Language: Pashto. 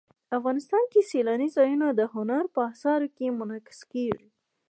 افغانستان کې سیلانی ځایونه د هنر په اثار کې منعکس کېږي.